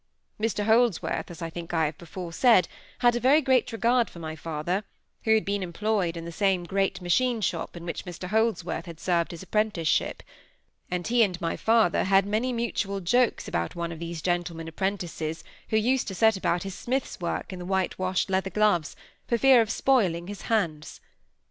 Mr Holdsworth, as I think I have before said, had a very great regard for my father, who had been employed in the same great machine shop in which Mr Holdsworth had served his apprenticeship; and he and my father had many mutual jokes about one of these gentlemen apprentices who used to set about his smith's work in white wash leather gloves, for fear of spoiling his hands.